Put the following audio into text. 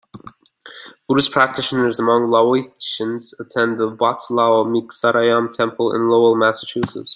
Buddhist practitioners among the Laotians attend the Wat Lao Mixarayam Temple in Lowell, Massachusetts.